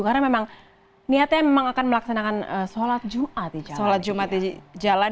karena memang niatnya akan melaksanakan sholat jumat di jalan